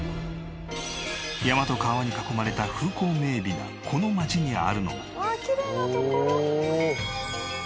山と川に囲まれた風光明媚なこの町にあるのが。